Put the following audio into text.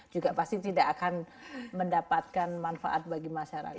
juga pasti tidak akan mendapatkan manfaat bagi masyarakat